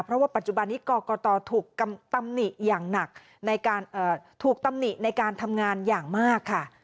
เพราะว่าปัจจุบันนี้กรกตถูกตำหนิในการทำงานอย่างมากค่ะ